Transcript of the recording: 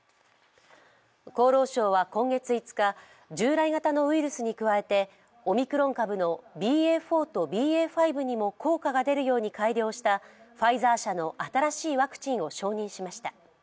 厚労省は今月５日、従来型のウイルスに加えてオミクロン株のＢＡ．４とＢＡ．５にも効果が出るように改良したファイザー社の新しいワクチンを承認しました。